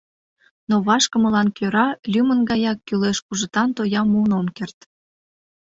Но вашкымылан кӧра, лӱмын гаяк, кӱлеш кужытан тоям муын ом керт.